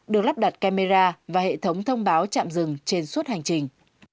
được lắp đặt camera và hệ thống thông báo chạm dừng trên suốt hành trình